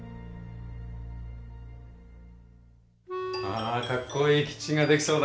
あかっこいいキッチンが出来そうだ。